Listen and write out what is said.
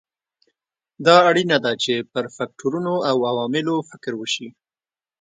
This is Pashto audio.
دا اړینه ده چې پر فکټورونو او عواملو فکر وشي.